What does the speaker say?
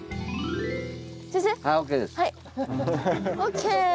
はいＯＫ。